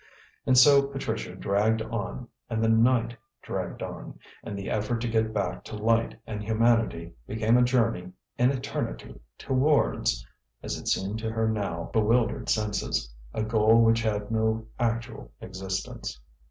And so Patricia dragged on and the night dragged on, and the effort to get back to light and humanity became a journey in eternity towards as it seemed to her now bewildered senses a goal which had no actual existence.